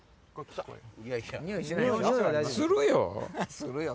するよ！